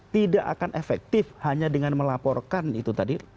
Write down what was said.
tidak akan efektif hanya dengan melaporkan itu tadi